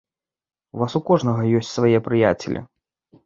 У вас у кожнага ёсць свае прыяцелі.